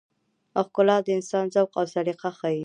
ښکلا د انسان ذوق او سلیقه ښيي.